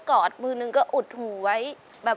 สวัสดีครับน้องเล่จากจังหวัดพิจิตรครับ